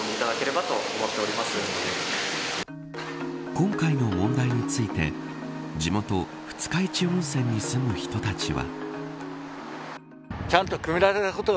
今回の問題について地元二日市温泉に住む人たちは。